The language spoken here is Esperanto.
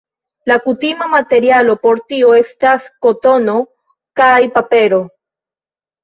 La kutima materialo por tio estas kotono kaj papero.